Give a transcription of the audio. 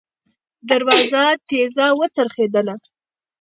دروازه تېزه وڅرخېدله.